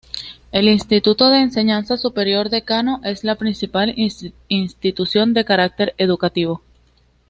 El Instituto de Enseñanza Superior de Kano es la principal institución de carácter educativo.